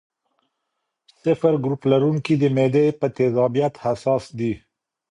O ګروپ لرونکي د معدې په تیزابیت حساس دي.